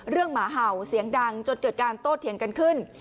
หมาเห่าเสียงดังจนเกิดการโต้เถียงกันขึ้น